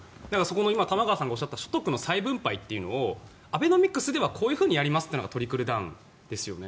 今玉川さんがおっしゃった所得の再分配というのをアベノミクスではこうやりますというのがトリクルダウンですよね。